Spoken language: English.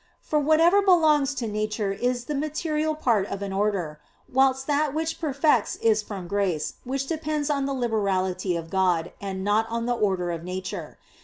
For whatever belongs to nature is the material part of an order; whilst that which perfects is from grace which depends on the liberality of God, and not on the order of nature.